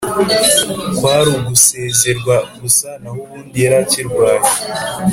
kwari ugusezerwa gusa nahubundi yarakirwaye